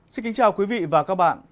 xin kính chào quý vị và các bạn